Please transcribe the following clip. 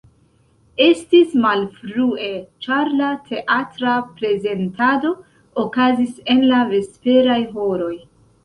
Estis malfrue, ĉar la teatra prezentado okazis en la vesperaj horoj.